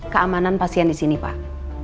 keamanan pasien di sini pak